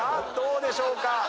どうでしょうか？